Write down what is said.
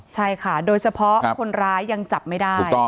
ใช่ค่ะโดยเฉพาะคนร้ายยังจับไม่ได้